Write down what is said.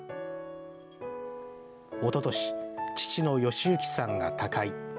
おととし、父の良行さんが他界。